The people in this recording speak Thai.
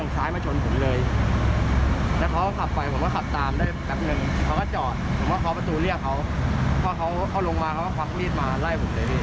แฟนไม่ตาย